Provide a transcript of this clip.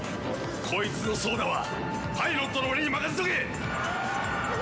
こいつの操舵はパイロットの俺に任せとけ！